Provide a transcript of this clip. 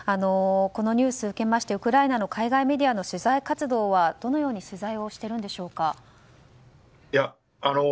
このニュースを受けましてウクライナの海外メディアの取材活動はどのように取材をしてるんでしょうか？